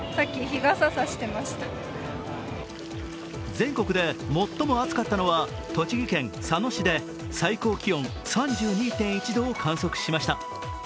全国で最も暑かったのは栃木県佐野市で最高気温３２．１度を観測しました。